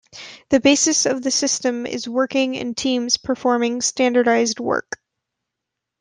The basis of the system is working in teams performing standardized work.